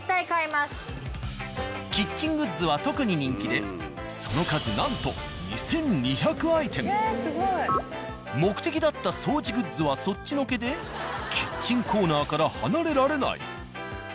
キッチングッズは特に人気でその数なんと目的だった掃除グッズはそっちのけでキッチンコーナーから離れられない。